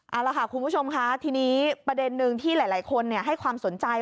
เอาล่ะค่ะคุณผู้ชมค่ะทีนี้ประเด็นหนึ่งที่หลายคนให้ความสนใจ